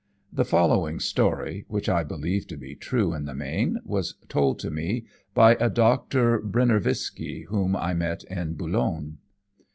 The following story, which I believe to be true in the main, was told me by a Dr. Broniervski, whom I met in Boulogne.